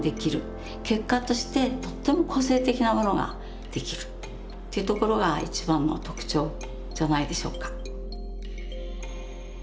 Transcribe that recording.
結果としてとっても個性的なものができるっていうところが一番の特徴じゃないでしょうか。